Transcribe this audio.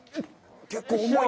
結構重い。